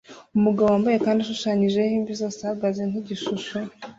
Umugabo wambaye kandi ashushanyijeho imvi zose ahagaze nkigishusho